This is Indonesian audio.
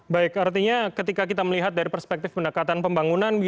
baik artinya ketika kita melihat dari perspektif pendekatan pembangunan